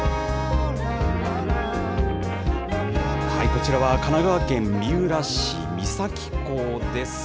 こちらは神奈川県三浦市三崎港です。